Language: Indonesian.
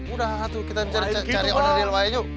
udah lah kita cari oneril lagi yuk